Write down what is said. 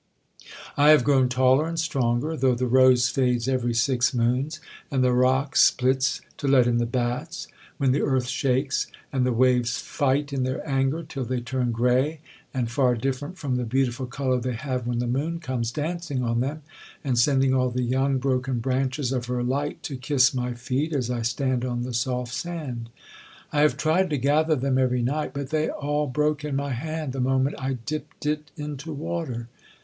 I have grown taller and stronger, though the rose fades every six moons; and the rock splits to let in the bats, when the earth shakes; and the waves fight in their anger till they turn grey, and far different from the beautiful colour they have when the moon comes dancing on them, and sending all the young, broken branches of her light to kiss my feet, as I stand on the soft sand. I have tried to gather them every night, but they all broke in my hand the moment I dipt it into water.'